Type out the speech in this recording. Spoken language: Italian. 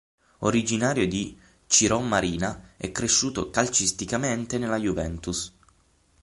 Originario di Cirò Marina, è cresciuto calcisticamente nella Juventus.